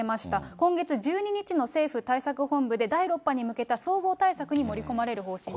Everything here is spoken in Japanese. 今月１２日の政府対策本部で、第６波に向けた総合対策に盛り込まれる方針です。